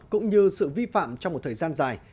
cũng như sự vi phạm trong một thời gian dài